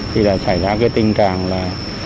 thì xảy ra tình trạng là